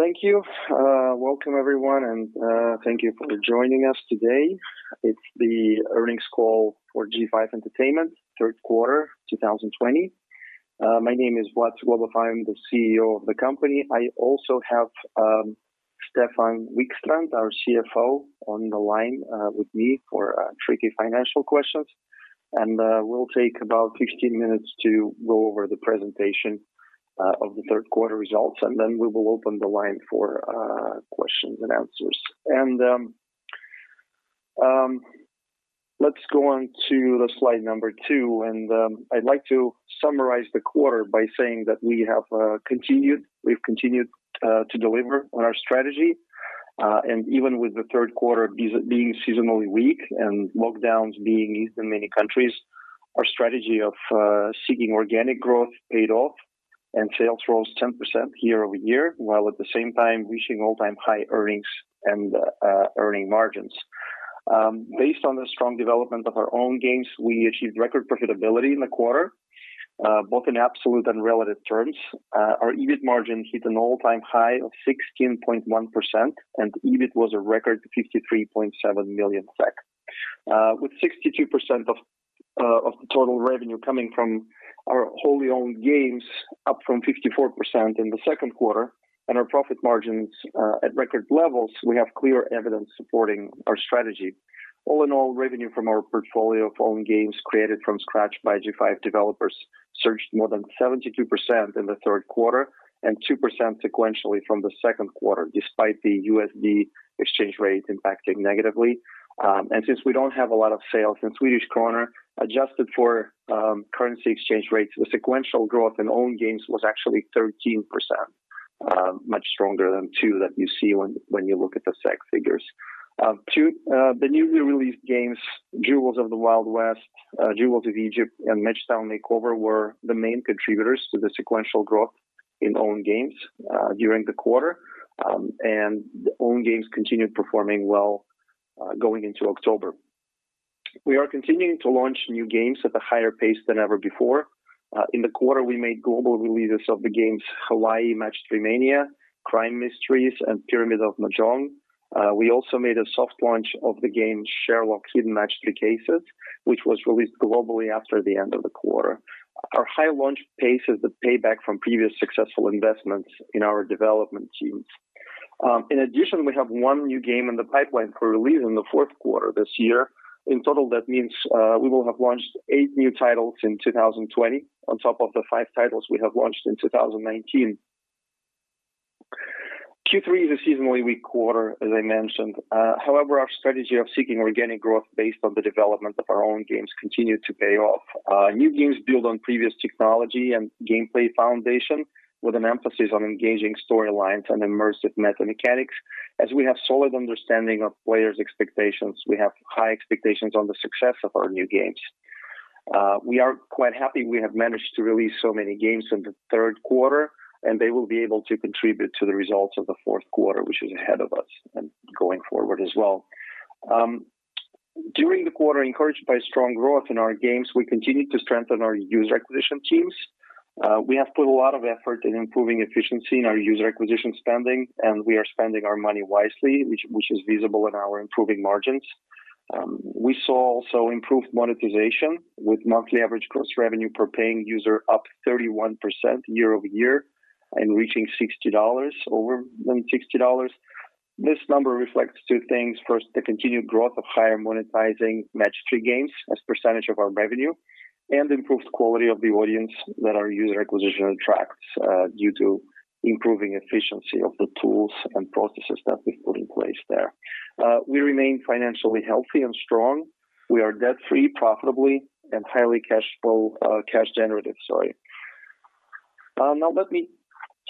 Thank you. Welcome everyone, and thank you for joining us today. It's the earnings call for G5 Entertainment, third quarter 2020. My name is Vlad Suglobov, I'm the CEO of the company. I also have Stefan Wikstrand, our CFO, on the line with me for tricky financial questions. We'll take about 15 minutes to go over the presentation of the third quarter results, and then we will open the line for questions and answers. Let's go on to the slide number two. I'd like to summarize the quarter by saying that we've continued to deliver on our strategy. Even with the third quarter being seasonally weak and lockdowns being eased in many countries, our strategy of seeking organic growth paid off. Sales rose 10% year-over-year, while at the same time reaching all-time high earnings and earning margins. Based on the strong development of our own games, we achieved record profitability in the quarter, both in absolute and relative terms. Our EBIT margin hit an all-time high of 16.1%, and EBIT was a record 53.7 million SEK. With 62% of the total revenue coming from our wholly owned games, up from 54% in the second quarter, and our profit margins at record levels, we have clear evidence supporting our strategy. All in all, revenue from our portfolio of own games created from scratch by G5 developers surged more than 72% in the third quarter and 2% sequentially from the second quarter, despite the USD exchange rate impacting negatively. Since we don't have a lot of sales in Swedish krona, adjusted for currency exchange rates, the sequential growth in own games was actually 13%, much stronger than two that you see when you look at the SEK figures. Two, the newly released games, "Jewels of the Wild West", "Jewels of Egypt", and "Match Town Makeover", were the main contributors to the sequential growth in own games during the quarter, and own games continued performing well going into October. We are continuing to launch new games at a higher pace than ever before. In the quarter, we made global releases of the games "Hawaii Match-3 Mania", "Crime Mysteries", and "Pyramid of Mahjong". We also made a soft launch of the game "Sherlock: Hidden Match-3 Cases", which was released globally after the end of the quarter. Our high launch pace is the payback from previous successful investments in our development teams. In addition, we have one new game in the pipeline for release in the fourth quarter this year. In total, that means we will have launched eight new titles in 2020 on top of the five titles we have launched in 2019. Q3 is a seasonally weak quarter, as I mentioned. However, our strategy of seeking organic growth based on the development of our own games continued to pay off. New games build on previous technology and gameplay foundation, with an emphasis on engaging storylines and immersive meta mechanics. As we have solid understanding of players' expectations, we have high expectations on the success of our new games. We are quite happy we have managed to release so many games in the third quarter, and they will be able to contribute to the results of the fourth quarter, which is ahead of us and going forward as well. During the quarter, encouraged by strong growth in our games, we continued to strengthen our user acquisition teams. We have put a lot of effort in improving efficiency in our user acquisition spending, and we are spending our money wisely, which is visible in our improving margins. We saw also improved monetization with monthly average gross revenue per paying user up 31% year-over-year and reaching over $60. This number reflects two things. First, the continued growth of higher monetizing Match-3 games as percentage of our revenue, and improved quality of the audience that our user acquisition attracts due to improving efficiency of the tools and processes that we put in place there. We remain financially healthy and strong. We are debt-free, profitably, and highly cash generative. Let me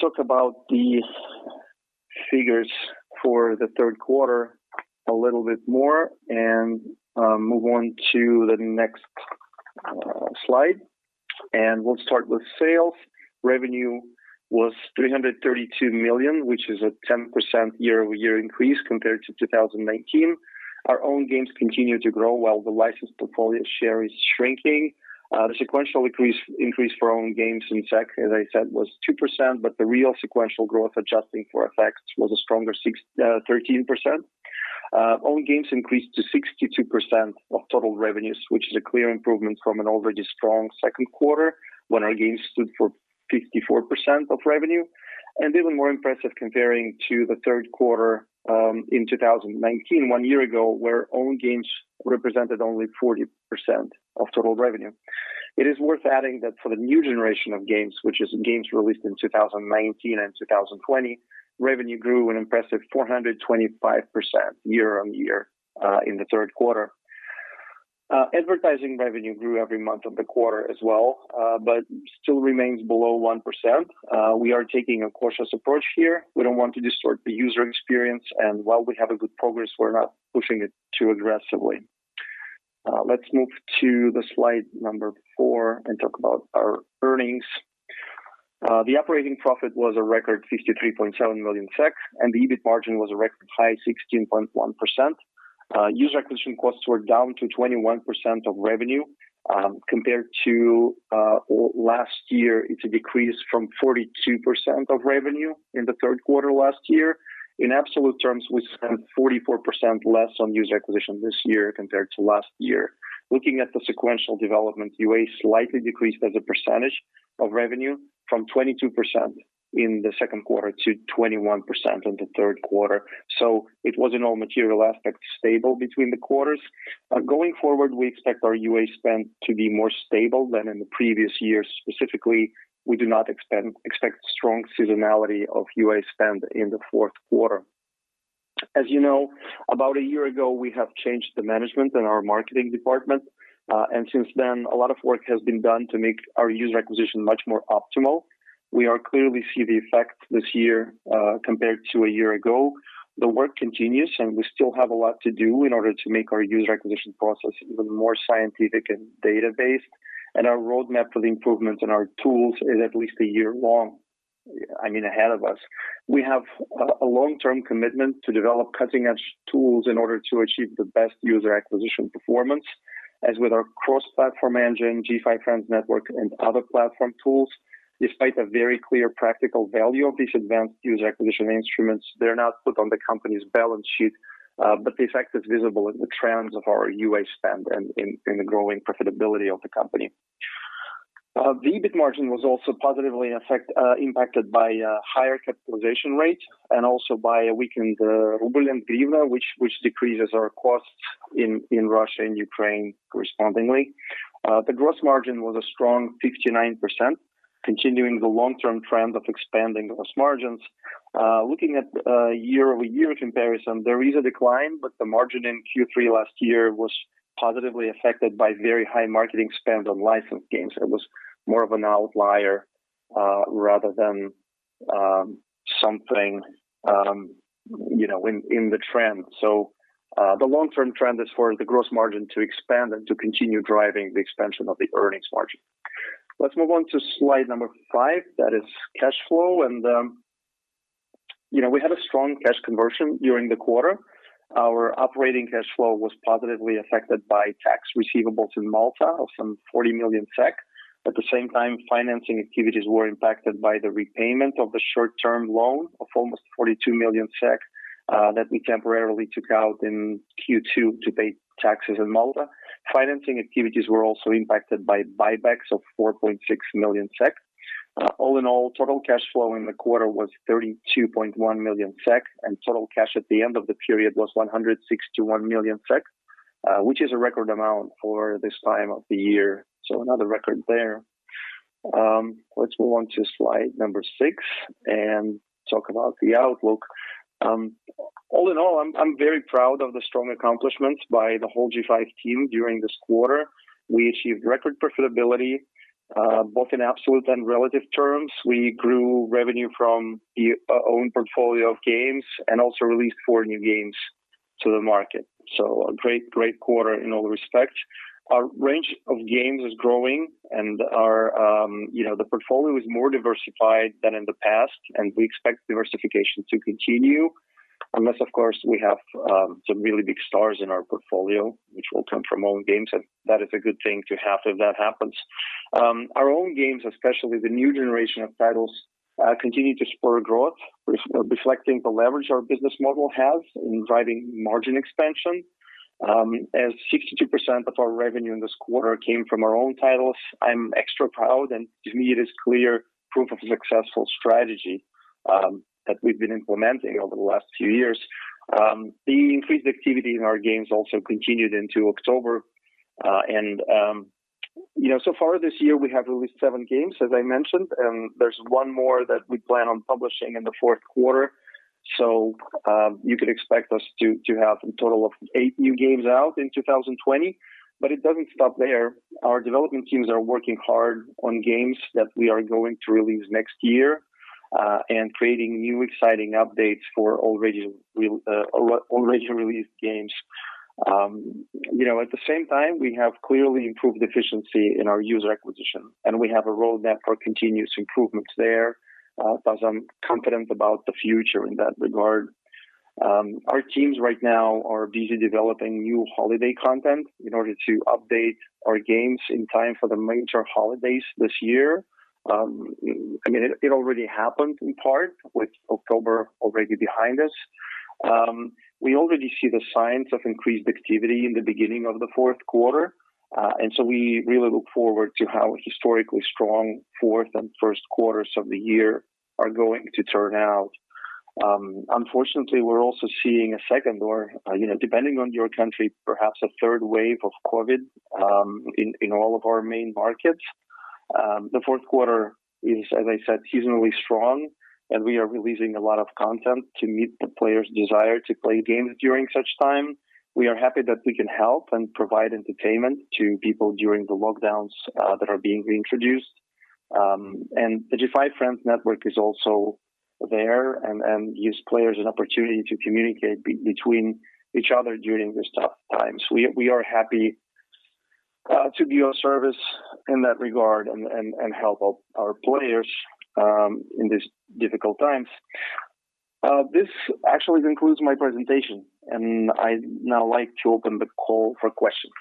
talk about these figures for the third quarter a little bit more and move on to the next slide. We'll start with sales. Revenue was 332 million, which is a 10% year-over-year increase compared to 2019. Our own games continue to grow while the licensed portfolio share is shrinking. The sequential increase for own games in SEK, as I said, was 2%, but the real sequential growth, adjusting for effects, was a stronger 13%. Own games increased to 62% of total revenues, which is a clear improvement from an already strong second quarter when our games stood for 54% of revenue, and even more impressive comparing to the third quarter in 2019, one year ago, where own games represented only 40% of total revenue. It is worth adding that for the new generation of games, which is games released in 2019 and 2020, revenue grew an impressive 425% year-on-year in the third quarter. Advertising revenue grew every month of the quarter as well, but still remains below 1%. We are taking a cautious approach here. We don't want to distort the user experience, and while we have a good progress, we're not pushing it too aggressively. Let's move to the slide number four and talk about our earnings. The operating profit was a record 53.7 million SEK, and the EBIT margin was a record high 16.1%. User acquisition costs were down to 21% of revenue compared to last year, it's a decrease from 42% of revenue in the third quarter last year. In absolute terms, we spent 44% less on user acquisition this year compared to last year. Looking at the sequential development, UA slightly decreased as a percentage of revenue from 22% in the second quarter to 21% in the third quarter. It was in all material aspects stable between the quarters. Going forward, we expect our UA spend to be more stable than in the previous years. Specifically, we do not expect strong seasonality of UA spend in the fourth quarter. As you know, about a year ago, we have changed the management in our marketing department. Since then, a lot of work has been done to make our user acquisition much more optimal. We clearly see the effect this year compared to a year ago. The work continues, and we still have a lot to do in order to make our user acquisition process even more scientific and data-based, and our roadmap for the improvement in our tools is at least a year long ahead of us. We have a long-term commitment to develop cutting-edge tools in order to achieve the best user acquisition performance, as with our cross-platform engine, G5 Friends Network, and other platform tools. Despite the very clear practical value of these advanced user acquisition instruments, they're not put on the company's balance sheet, but the effect is visible in the trends of our UA spend and in the growing profitability of the company. The EBIT margin was also positively impacted by higher capitalization rates and also by a weakened ruble and hryvnia which decreases our costs in Russia and Ukraine correspondingly. The gross margin was a strong 59%, continuing the long-term trend of expanding gross margins. Looking at year-over-year comparison, there is a decline, but the margin in Q3 last year was positively affected by very high marketing spend on licensed games. It was more of an outlier, rather than something in the trend. The long-term trend is for the gross margin to expand and to continue driving the expansion of the earnings margin. Let's move on to slide number five, that is cash flow. We had a strong cash conversion during the quarter. Our operating cash flow was positively affected by tax receivables in Malta of some 40 million SEK. At the same time, financing activities were impacted by the repayment of the short-term loan of almost 42 million SEK that we temporarily took out in Q2 to pay taxes in Malta. Financing activities were also impacted by buybacks of 4.6 million SEK. All in all, total cash flow in the quarter was 32.1 million SEK, and total cash at the end of the period was 161 million SEK, which is a record amount for this time of the year. Another record there. Let's move on to slide number six and talk about the outlook. All in all, I'm very proud of the strong accomplishments by the whole G5 team during this quarter. We achieved record profitability, both in absolute and relative terms. We grew revenue from the owned portfolio of games and also released four new games to the market. A great quarter in all respects. Our range of games is growing, and the portfolio is more diversified than in the past, and we expect diversification to continue, unless of course we have some really big stars in our portfolio, which will come from own games, and that is a good thing to have if that happens. Our own games, especially the new generation of titles, continue to spur growth, reflecting the leverage our business model has in driving margin expansion. As 62% of our revenue in this quarter came from our own titles, I'm extra proud, and to me, it is clear proof of a successful strategy that we've been implementing over the last few years. The increased activity in our games also continued into October. So far this year, we have released seven games, as I mentioned, and there's one more that we plan on publishing in the fourth quarter. You could expect us to have a total of eight new games out in 2020, but it doesn't stop there. Our development teams are working hard on games that we are going to release next year and creating new exciting updates for already released games. At the same time, we have clearly improved efficiency in our user acquisition, and we have a roadmap for continuous improvements there, thus I'm confident about the future in that regard. Our teams right now are busy developing new holiday content in order to update our games in time for the major holidays this year. It already happened in part with October already behind us. We already see the signs of increased activity in the beginning of the fourth quarter. We really look forward to how historically strong fourth and first quarters of the year are going to turn out. Unfortunately, we're also seeing a second or, depending on your country, perhaps a third wave of COVID in all of our main markets. The fourth quarter is, as I said, seasonally strong, and we are releasing a lot of content to meet the players' desire to play games during such time. We are happy that we can help and provide entertainment to people during the lockdowns that are being reintroduced. The G5 Friends Network is also there and gives players an opportunity to communicate between each other during these tough times. We are happy to be of service in that regard and help our players in these difficult times. This actually concludes my presentation. I'd now like to open the call for questions.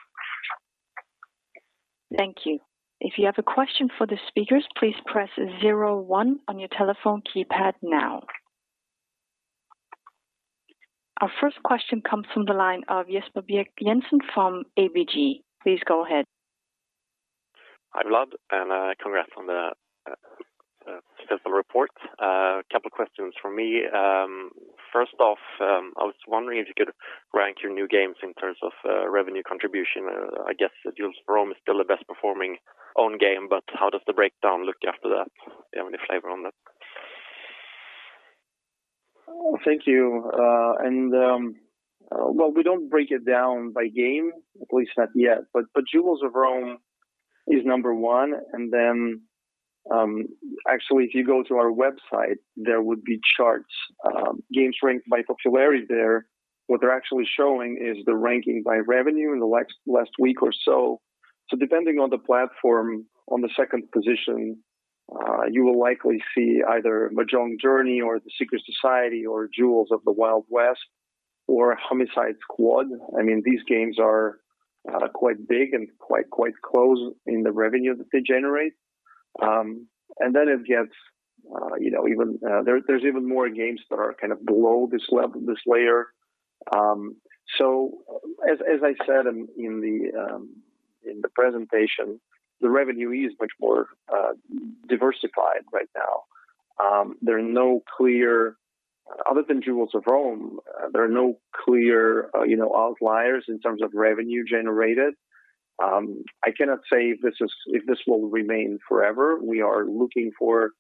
Thank you. If you have a question for the speakers, please press zero one on your telephone keypad now. Our first question comes from the line of Jesper Birch-Jensen from ABG. Please go ahead. Hi, Vlad, and congrats on the fiscal report. A couple questions from me. First off, I was wondering if you could rank your new games in terms of revenue contribution. I guess that "Jewels of Rome" is still the best performing own game, but how does the breakdown look after that? Do you have any flavor on that? Thank you. Well, we don't break it down by game, at least not yet, but "Jewels of Rome" is number one. Actually, if you go to our website, there would be charts. Games ranked by popularity there, what they're actually showing is the ranking by revenue in the last week or so. Depending on the platform, on the second position, you will likely see either "Mahjong Journey" or "The Secret Society" or "Jewels of the Wild West" or "Homicide Squad." These games are quite big and quite close in the revenue that they generate. There's even more games that are kind of below this layer. As I said in the presentation, the revenue is much more diversified right now. Other than "Jewels of Rome," there are no clear outliers in terms of revenue generated. I cannot say if this will remain forever. We are looking for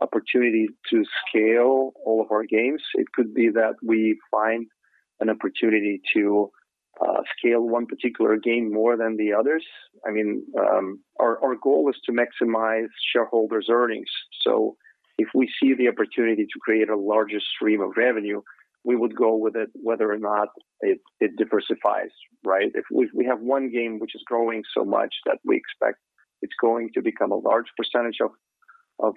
opportunities to scale all of our games. It could be that we find an opportunity to scale one particular game more than the others. Our goal is to maximize shareholders' earnings. If we see the opportunity to create a larger stream of revenue, we would go with it, whether or not it diversifies, right? If we have one game which is growing so much that we expect it's going to become a large percentage of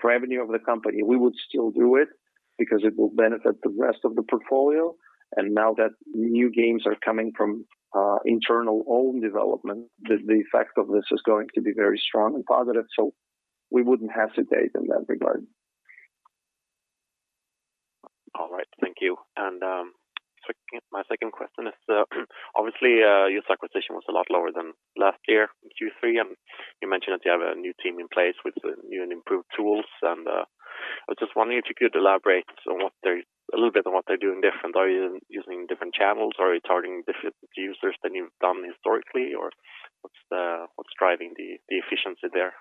revenue of the company, we would still do it because it will benefit the rest of the portfolio. Now that new games are coming from internal own development, the effect of this is going to be very strong and positive. We wouldn't hesitate in that regard. All right. Thank you. My second question is obviously, user acquisition was a lot lower than last year in Q3, and you mentioned that you have a new team in place with new and improved tools. I was just wondering if you could elaborate a little bit on what they're doing different. Are you using different channels? Are you targeting different users than you've done historically, or what's driving the efficiency there?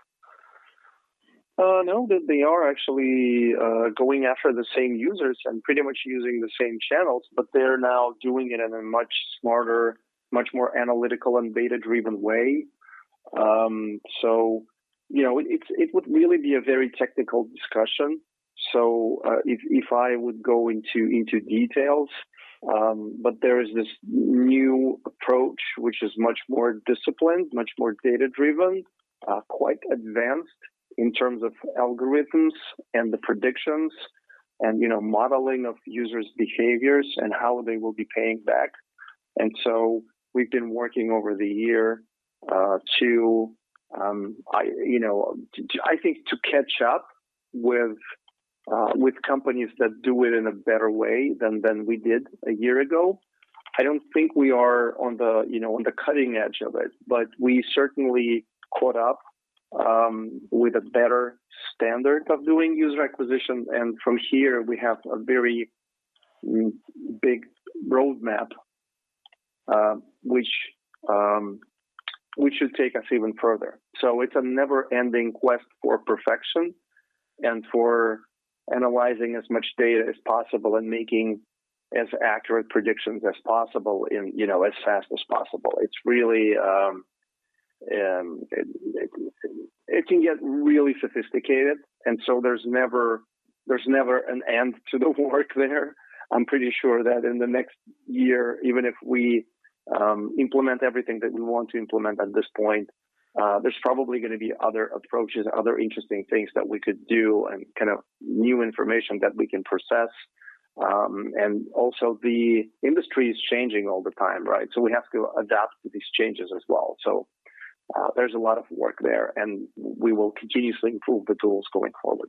No, they are actually going after the same users and pretty much using the same channels, but they're now doing it in a much smarter, much more analytical and data-driven way. It would really be a very technical discussion if I would go into details. There is this new approach which is much more disciplined, much more data-driven, quite advanced in terms of algorithms and the predictions and modeling of users' behaviors and how they will be paying back. We've been working over the year I think to catch up with companies that do it in a better way than we did a year ago. I don't think we are on the cutting edge of it, but we certainly caught up with a better standard of doing user acquisition. From here we have a very big roadmap which should take us even further. It's a never-ending quest for perfection and for analyzing as much data as possible and making as accurate predictions as possible and as fast as possible. It can get really sophisticated, and so there's never an end to the work there. I'm pretty sure that in the next year, even if we implement everything that we want to implement at this point, there's probably going to be other approaches, other interesting things that we could do, and new information that we can process. Also the industry is changing all the time, so we have to adapt to these changes as well. There's a lot of work there, and we will continuously improve the tools going forward.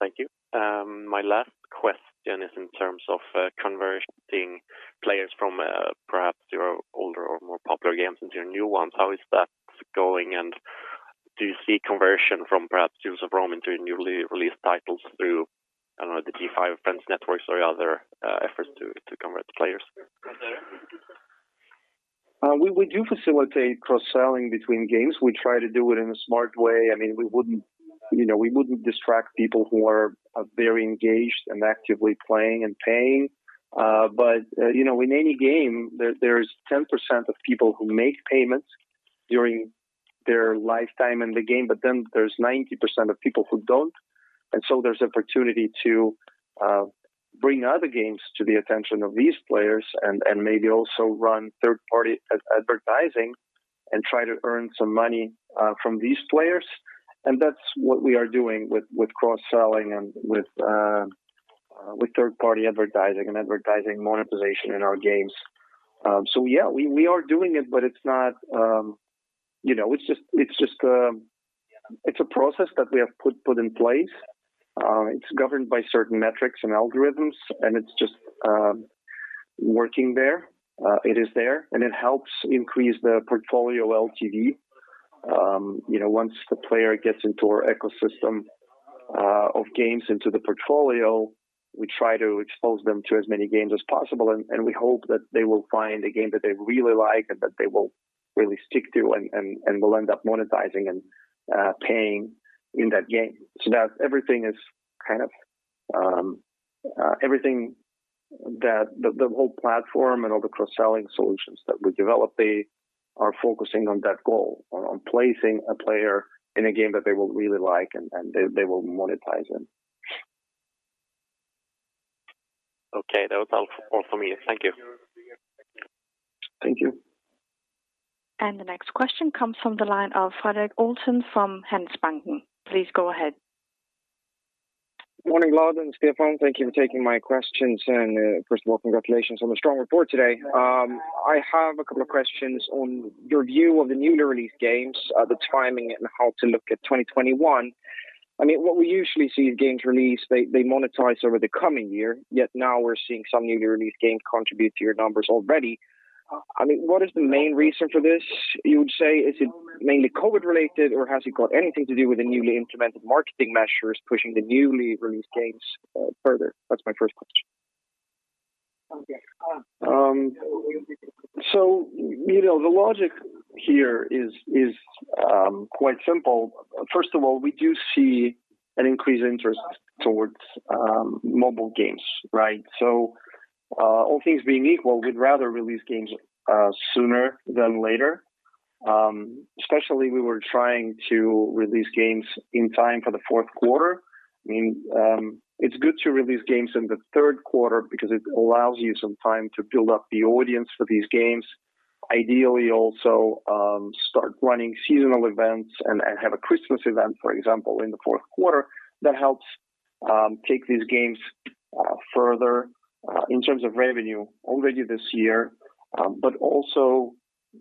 Thank you. My last question is in terms of converting players from perhaps your older or more popular games into your new ones. How is that going, and do you see conversion from perhaps "Jewels of Rome" into your newly released titles through, I don't know, the G5 Friends Networks or other efforts to convert players? We do facilitate cross-selling between games. We try to do it in a smart way. We wouldn't distract people who are very engaged and actively playing and paying. In any game, there is 10% of people who make payments during their lifetime in the game, but then there's 90% of people who don't. There's opportunity to bring other games to the attention of these players and maybe also run third-party advertising and try to earn some money from these players. That's what we are doing with cross-selling and with third-party advertising and advertising monetization in our games. Yeah, we are doing it, but it's a process that we have put in place. It's governed by certain metrics and algorithms, and it's just working there. It is there, and it helps increase the portfolio LTV. Once the player gets into our ecosystem of games into the portfolio, we try to expose them to as many games as possible, and we hope that they will find a game that they really like and that they will really stick to and will end up monetizing and paying in that game. The whole platform and all the cross-selling solutions that we develop, they are focusing on that goal, or on placing a player in a game that they will really like and they will monetize in. Okay. That was all for me. Thank you. Thank you. The next question comes from the line of Fredrik Olsson from Handelsbanken. Please go ahead. Morning, Vlad and Stefan. Thank you for taking my questions. First of all, congratulations on the strong report today. I have a couple of questions on your view of the newly released games, the timing, and how to look at 2021. What we usually see is games released, they monetize over the coming year, yet now we're seeing some newly released games contribute to your numbers already. What is the main reason for this, you would say? Is it mainly COVID related, or has it got anything to do with the newly implemented marketing measures pushing the newly released games further? That's my first question. So, the logic here is quite simple. First of all, we do see an increased interest towards mobile games, right? All things being equal, we'd rather release games sooner than later. Especially we were trying to release games in time for the fourth quarter. It's good to release games in the third quarter because it allows you some time to build up the audience for these games. Ideally, also start running seasonal events and have a Christmas event, for example, in the fourth quarter that helps take these games further in terms of revenue already this year. Also,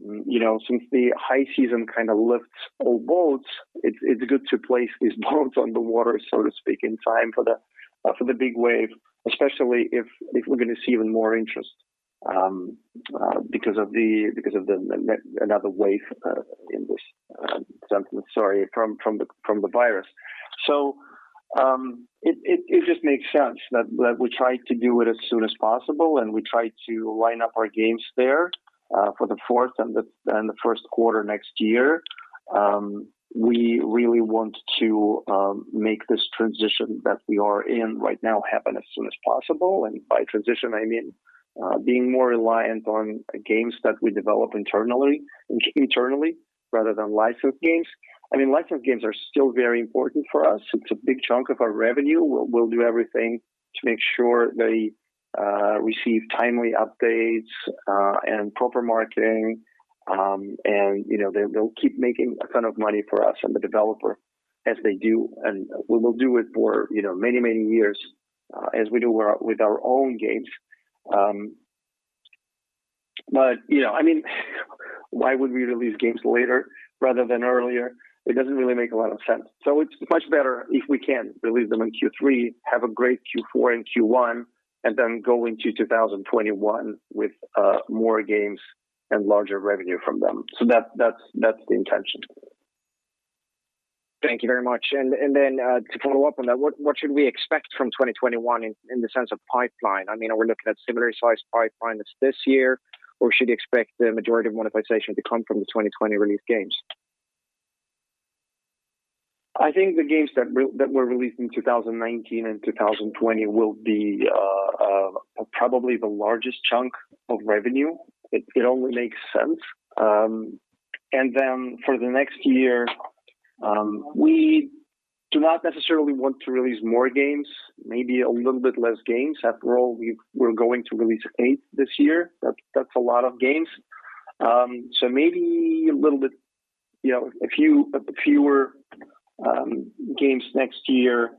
since the high season kind of lifts all boats, it's good to place these boats on the water, so to speak, in time for the big wave, especially if we're going to see even more interest because of another wave, Sorry, from the virus. It just makes sense that we try to do it as soon as possible, and we try to line up our games there for the fourth and the first quarter next year. We really want to make this transition that we are in right now happen as soon as possible. By transition, I mean being more reliant on games that we develop internally rather than licensed games. Licensed games are still very important for us. It's a big chunk of our revenue. We'll do everything to make sure they receive timely updates and proper marketing, and they'll keep making a ton of money for us and the developer as they do, and we will do it for many, many years as we do with our own games. Why would we release games later rather than earlier? It doesn't really make a lot of sense. It's much better if we can release them in Q3, have a great Q4 and Q1, and then go into 2021 with more games and larger revenue from them. That's the intention. Thank you very much. To follow up on that, what should we expect from 2021 in the sense of pipeline? Are we looking at similar size pipeline as this year, or should we expect the majority of monetization to come from the 2020 release games? I think the games that were released in 2019 and 2020 will be probably the largest chunk of revenue. It only makes sense. Then for the next year, we do not necessarily want to release more games, maybe a little bit less games. After all, we're going to release eight this year. That's a lot of games. Maybe a few fewer games next year,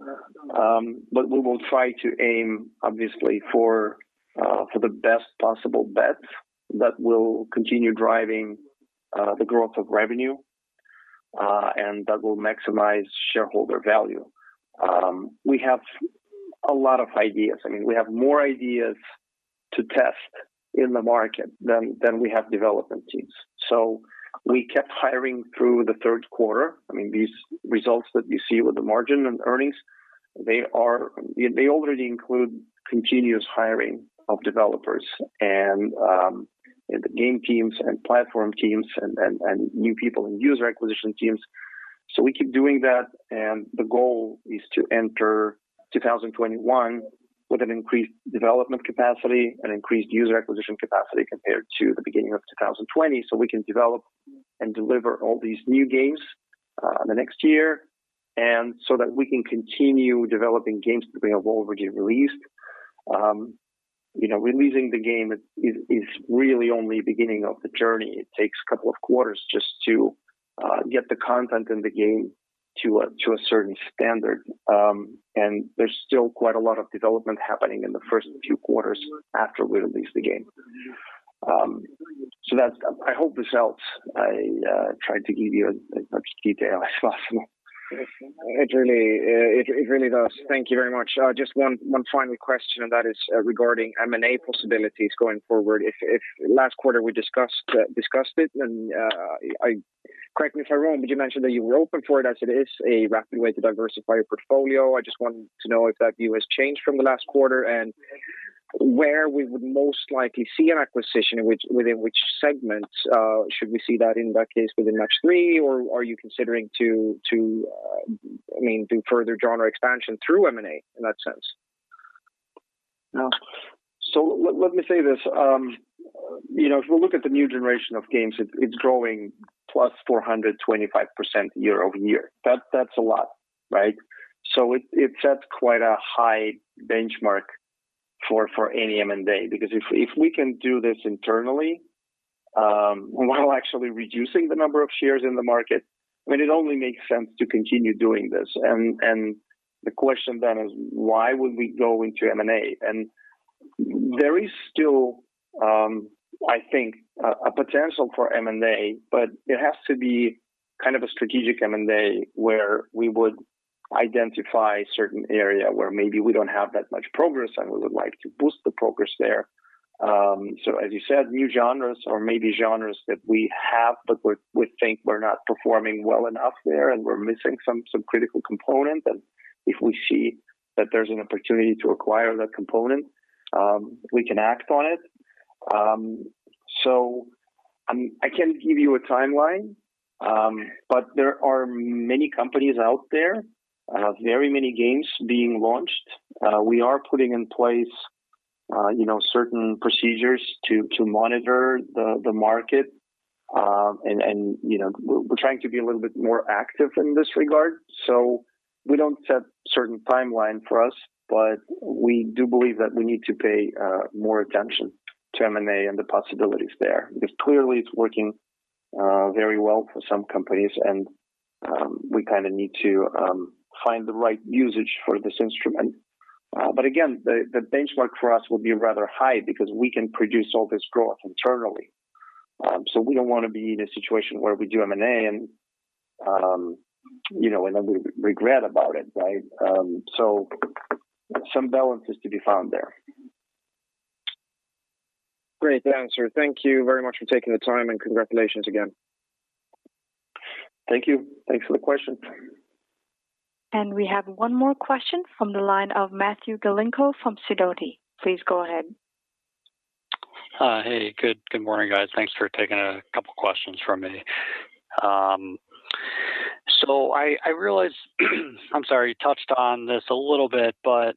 we will try to aim, obviously, for the best possible bets that will continue driving the growth of revenue, and that will maximize shareholder value. We have a lot of ideas. We have more ideas to test in the market than we have development teams. We kept hiring through the third quarter. These results that you see with the margin and earnings, they already include continuous hiring of developers and the game teams and platform teams and new people in user acquisition teams. We keep doing that, and the goal is to enter 2021 with an increased development capacity and increased user acquisition capacity compared to the beginning of 2020, so we can develop and deliver all these new games in the next year, and so that we can continue developing games that we have already released. Releasing the game is really only the beginning of the journey. It takes a couple of quarters just to get the content in the game to a certain standard. There's still quite a lot of development happening in the first few quarters after we release the game. I hope this helps. I tried to give you as much detail as possible. It really does. Thank you very much. Just one final question, and that is regarding M&A possibilities going forward. Last quarter we discussed it and, correct me if I'm wrong, but you mentioned that you were open for it as it is a rapid way to diversify your portfolio. I just wanted to know if that view has changed from the last quarter and where we would most likely see an acquisition, within which segments? Should we see that, in that case, within Match-3, or are you considering to do further genre expansion through M&A in that sense? Let me say this. If we look at the new generation of games, it's growing +425% year-over-year. That's a lot, right? It sets quite a high benchmark for any M&A because if we can do this internally while actually reducing the number of shares in the market, it only makes sense to continue doing this. The question then is why would we go into M&A? There is still, I think, a potential for M&A, but it has to be a strategic M&A where we would identify a certain area where maybe we don't have that much progress and we would like to boost the progress there. As you said, new genres or maybe genres that we have but we think we're not performing well enough there and we're missing some critical component, and if we see that there's an opportunity to acquire that component, we can act on it. I can't give you a timeline, but there are many companies out there, very many games being launched. We are putting in place certain procedures to monitor the market. We're trying to be a little bit more active in this regard. We don't set a certain timeline for us, but we do believe that we need to pay more attention to M&A and the possibilities there, because clearly it's working very well for some companies, and we need to find the right usage for this instrument. Again, the benchmark for us will be rather high because we can produce all this growth internally. We don't want to be in a situation where we do M&A and then we regret about it, right? Some balance is to be found there. Great answer. Thank you very much for taking the time, and congratulations again. Thank you. Thanks for the question. We have one more question from the line of Matthew Glinko from Sidoti. Please go ahead. Hey. Good morning, guys. Thanks for taking a couple questions from me. I realize, I'm sorry, you touched on this a little bit, but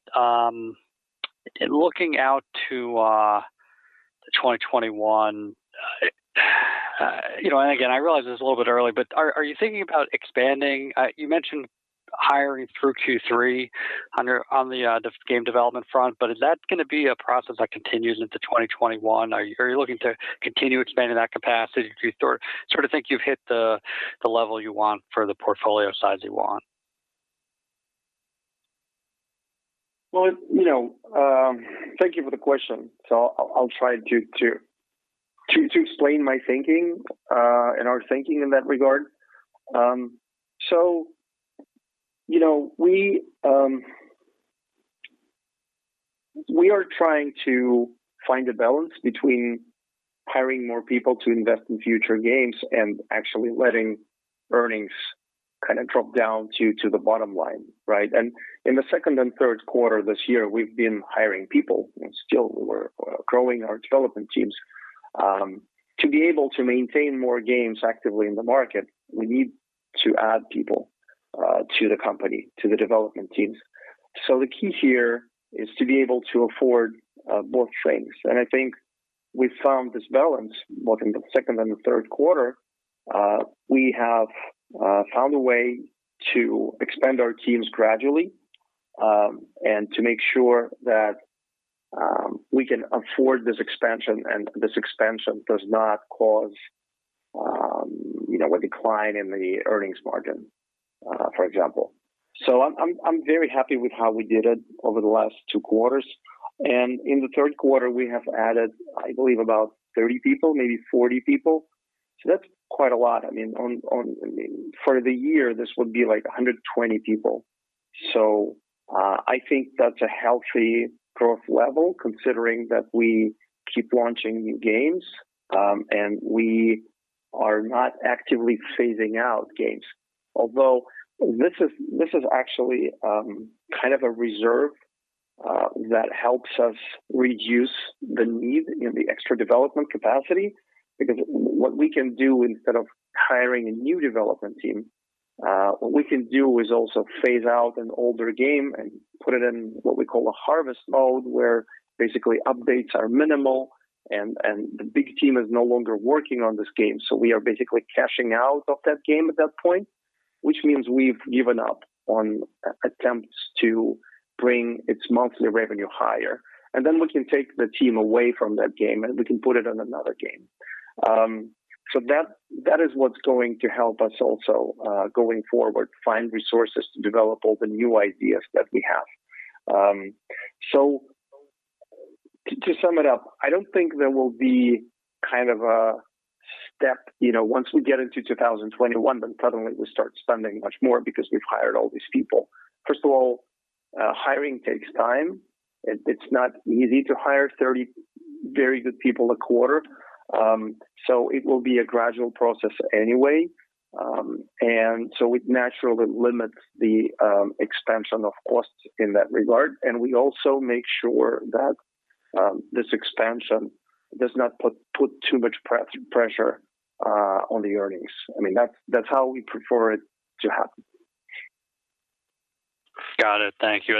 in looking out to 2021, and again, I realize it's a little bit early, but are you thinking about expanding? You mentioned hiring through Q3 on the game development front, is that going to be a process that continues into 2021? Are you looking to continue expanding that capacity? Do you think you've hit the level you want for the portfolio size you want? Well, thank you for the question. I'll try to explain my thinking, and our thinking in that regard. We are trying to find a balance between hiring more people to invest in future games and actually letting earnings drop down to the bottom line, right? In the second and third quarter this year, we've been hiring people, and still we're growing our development teams. To be able to maintain more games actively in the market, we need to add people to the company, to the development teams. The key here is to be able to afford both things. I think we found this balance, both in the second and the third quarter. We have found a way to expand our teams gradually, and to make sure that we can afford this expansion, and this expansion does not cause a decline in the earnings margin, for example. I'm very happy with how we did it over the last two quarters. In the third quarter, we have added, I believe, about 30 people, maybe 40 people. That's quite a lot. For the year, this would be like 120 people. I think that's a healthy growth level considering that we keep launching new games, and we are not actively phasing out games. Although this is actually kind of a reserve that helps us reduce the need, the extra development capacity. What we can do, instead of hiring a new development team, what we can do is also phase out an older game and put it in what we call a harvest mode, where basically updates are minimal and the big team is no longer working on this game. We are basically cashing out of that game at that point, which means we've given up on attempts to bring its monthly revenue higher. We can take the team away from that game, and we can put it on another game. That is what's going to help us also going forward, find resources to develop all the new ideas that we have. To sum it up, I don't think there will be a step, once we get into 2021, then suddenly we start spending much more because we've hired all these people. First of all, hiring takes time. It's not easy to hire 30 very good people a quarter. It will be a gradual process anyway. It naturally limits the expansion of costs in that regard. We also make sure that this expansion does not put too much pressure on the earnings. That's how we prefer it to happen. Got it. Thank you.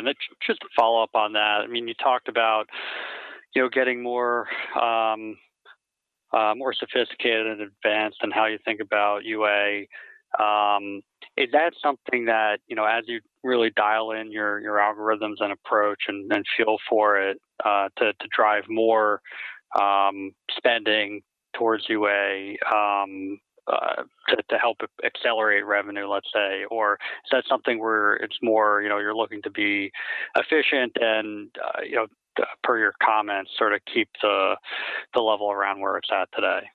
Just to follow up on that. You talked about getting more sophisticated and advanced in how you think about UA. Is that something that, as you really dial in your algorithms and approach and then feel for it to drive more spending towards UA to help accelerate revenue, let's say, or is that something where it's more, you're looking to be efficient and, per your comments, sort of keep the level around where it's at today?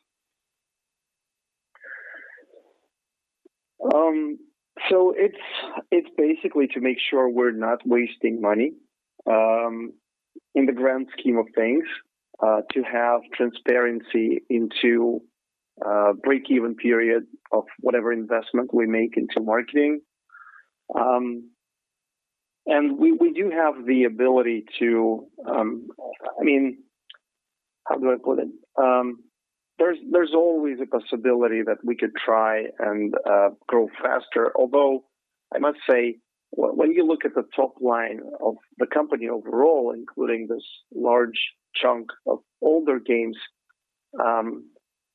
It's basically to make sure we're not wasting money. In the grand scheme of things, to have transparency into break-even period of whatever investment we make into marketing. We do have the ability to, how do I put it? There's always a possibility that we could try and grow faster. Although, I must say, when you look at the top line of the company overall, including this large chunk of older games,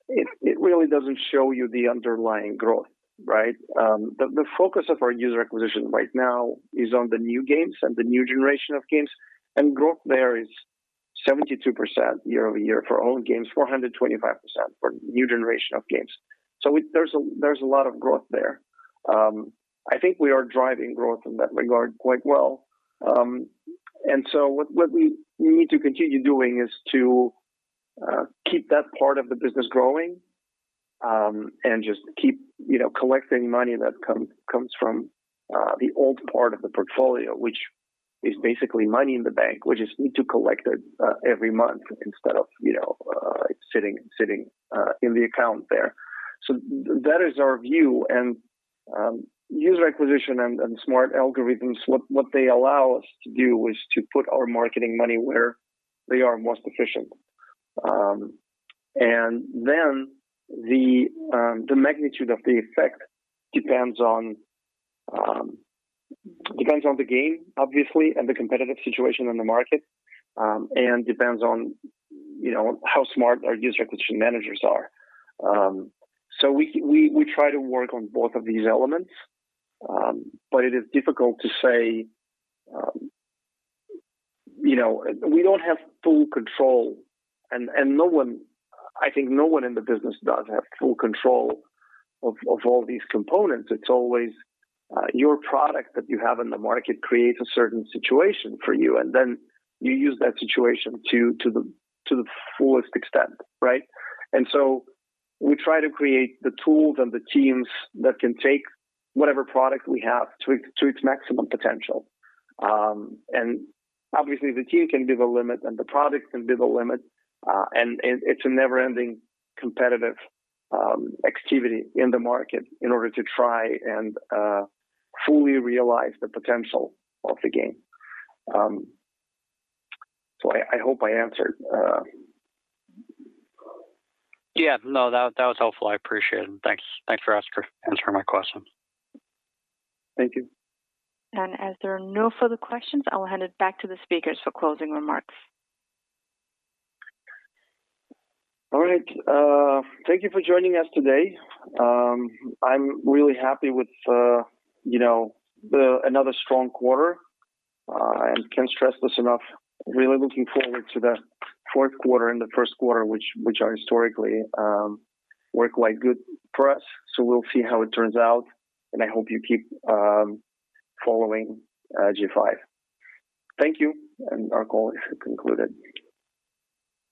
it really doesn't show you the underlying growth, right? The focus of our user acquisition right now is on the new games and the new generation of games. Growth there is 72% year-over-year for all games, 425% for new generation of games. There's a lot of growth there. I think we are driving growth in that regard quite well. What we need to continue doing is to keep that part of the business growing, and just keep collecting money that comes from the old part of the portfolio, which is basically money in the bank. We just need to collect it every month instead of it sitting in the account there. That is our view. User acquisition and smart algorithms, what they allow us to do is to put our marketing money where they are most efficient. The magnitude of the effect depends on the game, obviously, and the competitive situation in the market, and depends on how smart our user acquisition managers are. We try to work on both of these elements. It is difficult to say. We don't have full control, and I think no one in the business does have full control of all these components. It's always your product that you have in the market creates a certain situation for you, and then you use that situation to the fullest extent, right? We try to create the tools and the teams that can take whatever product we have to its maximum potential. Obviously, the team can be the limit, and the product can be the limit. It's a never-ending competitive activity in the market in order to try and fully realize the potential of the game. I hope I answered. Yeah. No, that was helpful. I appreciate it. Thanks for answering my questions. Thank you. As there are no further questions, I will hand it back to the speakers for closing remarks. All right. Thank you for joining us today. I'm really happy with another strong quarter. Can't stress this enough, really looking forward to the fourth quarter and the first quarter, which historically work quite good for us. We'll see how it turns out, and I hope you keep following G5. Thank you. Our call is concluded.